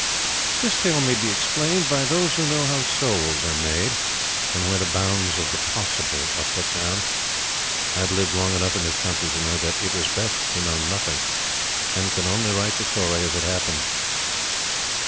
This tale may be explained by those who know how souls are made, and where the bounds of the Possible are put down. I have lived long enough in this country to know that it is best to know nothing, and can only write the story as it happened.